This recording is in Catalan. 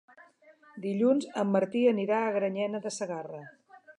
Dilluns en Martí anirà a Granyena de Segarra.